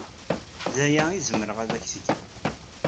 D aya ay zemreɣ ad ak-t-geɣ.